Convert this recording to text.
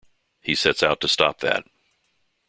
He sets out to stop that.